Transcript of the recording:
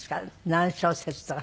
何小節とか。